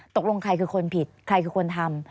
ตกลงใครคือคนผิดใครคือคนทำ